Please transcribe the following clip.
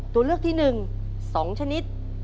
ตัวเลือกที่หนึ่งสองชนิด